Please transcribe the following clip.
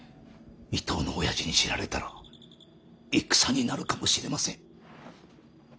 伊東のおやじに知られたら戦になるかもしれません。